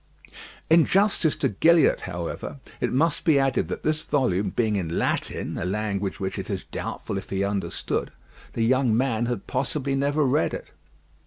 In justice to Gilliatt, however, it must be added that this volume being in Latin a language which it is doubtful if he understood the young man had possibly never read it.